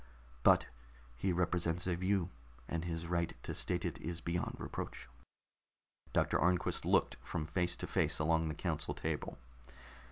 But he represents a view, and his right to state it is beyond reproach." Doctor Arnquist looked from face to face along the council table.